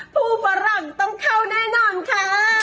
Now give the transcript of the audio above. ฝรั่งต้องเข้าแน่นอนค่ะ